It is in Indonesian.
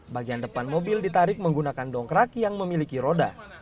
bagian depan mobil ditarik menggunakan dongkrak yang memiliki roda